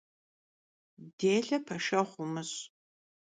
Dêle peşşeğu vumış'.